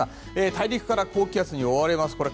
大陸から高気圧に覆われます。